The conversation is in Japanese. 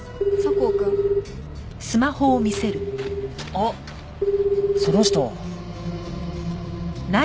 あっその人。